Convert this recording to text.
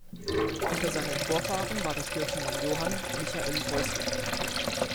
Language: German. Unter seinen Vorfahren war der Kirchenmann Johann, Michael Häusle.